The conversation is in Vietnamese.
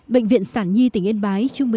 bệnh viện sản nhi tỉnh yên bái